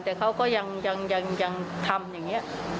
แต่เขาก็ยังทำอย่างนี้